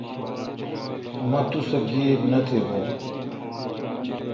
مہ توسہ گیب نہ تھبوں۔